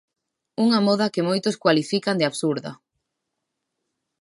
Unha moda que moitos cualifican de absurda.